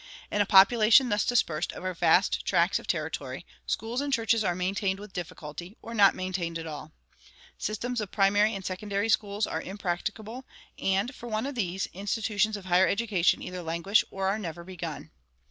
In a population thus dispersed over vast tracts of territory, schools and churches are maintained with difficulty, or not maintained at all. Systems of primary and secondary schools are impracticable, and, for want of these, institutions of higher education either languish or are never begun.